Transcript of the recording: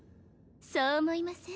そう思いません？